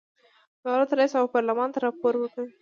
دولت رئیس او پارلمان ته راپور ورکوي.